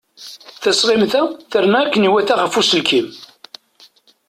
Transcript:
Tasɣimt-a terna akken i iwata ɣef uselkim.